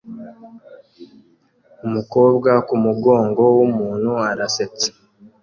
Umukobwa kumugongo wumuntu arasetsa